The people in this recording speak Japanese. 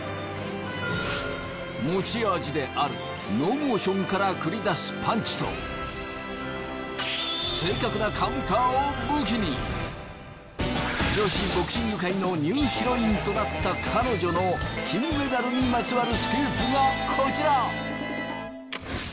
持ち味であるノーモーションから繰り出すパンチと正確なカウンターを武器に女子ボクシング界のニューヒロインとなった彼女の金メダルにまつわるスクープがこちら！